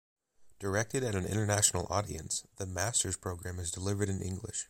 Directed at an international audience, the Master's program is delivered in English.